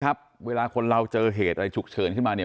ครับเวลาคนเราเจอเหตุอะไรฉุกเฉินขึ้นมาเนี่ย